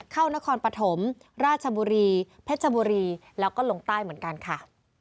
นครปฐมราชบุรีเพชรบุรีแล้วก็ลงใต้เหมือนกันค่ะ